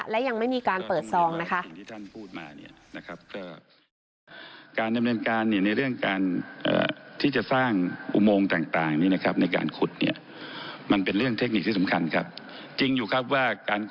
และยังไม่มีการเปิดซองนะคะ